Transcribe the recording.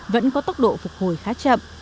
vẫn có tốc độ phục hồi khá chậm